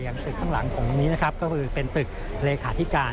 ตึกข้างหลังของตรงนี้นะครับก็คือเป็นตึกเลขาธิการ